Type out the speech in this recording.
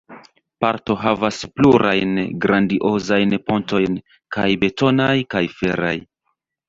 Porto havas plurajn grandiozajn pontojn – kaj betonaj, kaj feraj.